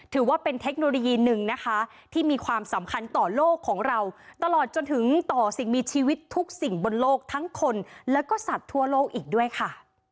ถือว่าเป็นเทคโนโลยีหนึ่งนะคะที่มีความสำคัญต่อโลกของเราตลอดจนถึงต่อสิ่งมีชีวิตทุกสิ่งบนโลกทั้งคนแล้วก็สัตว์ทั่วโลกอีกด้วยค่ะ